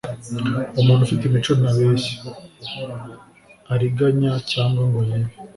Umuntu ufite imico ntabeshya, ariganya, cyangwa ngo yibe